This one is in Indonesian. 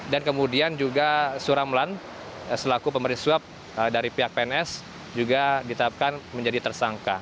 dan kemudian juga suramlan selaku pemerintah suap dari pihak pns juga ditetapkan menjadi tersangka